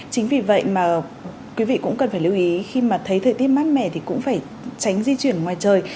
chính vì vậy mà quý vị cũng cần phải lưu ý khi mà thấy thời tiết mát mẻ thì cũng phải tránh di chuyển ngoài trời